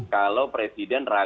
kalau presiden bisa berhasil